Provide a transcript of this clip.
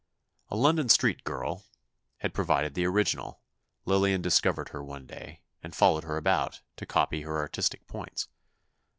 A London street girl had provided the original. Lillian discovered her one day, and followed her about, to copy her artistic points.